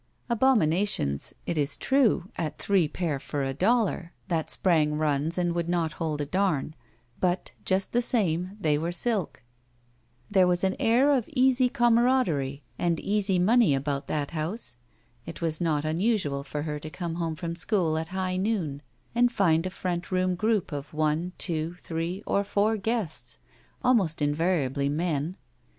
Abominations, it is true, at three pair for a dollar, that sprang runs and would not hold a dam, but, just the same, they were silk. There was an air of easy camaraderie and easy money about that house. It was not unusual for her to come home from school at high noon and find a front room group of one, two, three, or four guests, almost invariably men.